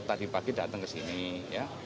tadi pagi datang ke sini ya